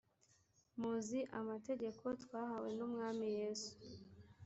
muzi amategeko twahawe n umwami yesu